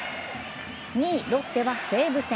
２位・ロッテは西武戦。